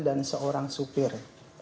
dan seorang supir